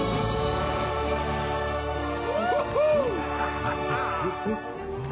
ハハハ！